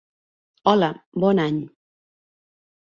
Hola, bon any.